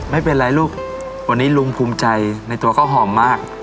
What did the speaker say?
ไม่เป็นไรลูกวันนี้ลุงภูมิใจในตัวข้าวหอมมาก